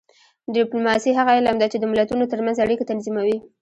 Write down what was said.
ډیپلوماسي هغه علم دی چې د ملتونو ترمنځ اړیکې تنظیموي